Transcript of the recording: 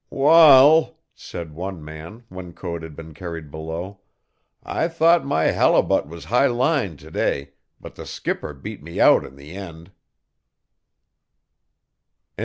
"Wal," said one man, when Code had been carried below, "I thought my halibut was high line to day, but the skipper beat me out in the end."